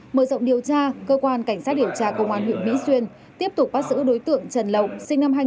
mở rộng điều tra cơ quan cảnh sát điều tra công an huyện mỹ xuyên tiếp tục bắt giữ đối tượng trần lộng